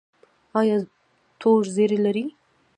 ایا تور زیړی لرئ؟